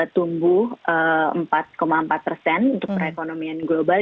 tumbuh empat empat persen untuk perekonomian global